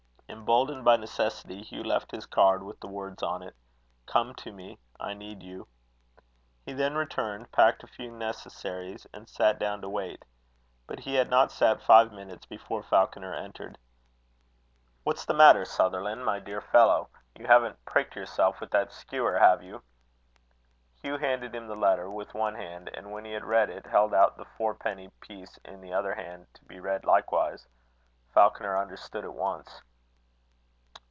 Emboldened by necessity, Hugh left his card, with the words on it: "Come to me; I need you." He then returned, packed a few necessaries, and sat down to wait. But he had not sat five minutes before Falconer entered. "What's the matter, Sutherland, my dear fellow? You haven't pricked yourself with that skewer, have you?" Hugh handed him the letter with one hand; and when he had read it, held out the fourpenny piece in the other hand, to be read likewise. Falconer understood at once.